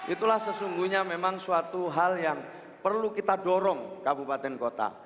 itulah sesungguhnya memang suatu hal yang perlu kita dorong kabupaten kota